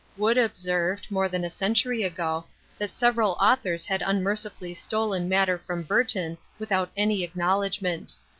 WOOD observed, more than a century ago, that several authors had unmercifully stolen matter from BURTON without any acknowledgment.